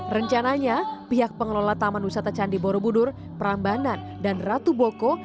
rencananya pihak pengelola taman wisata candi borobudur prambanan dan ratu boko